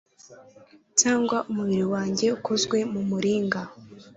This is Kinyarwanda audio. cyangwa umubiri wanjye ukozwe mu muringa